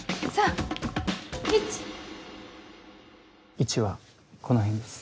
位置はこの辺です。